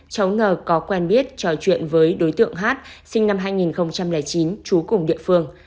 cháu ngờ có quen biết trò chuyện với đối tượng hát sinh năm hai nghìn chín trú cùng địa phương